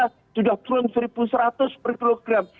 sudah turun rp satu seratus per kilogram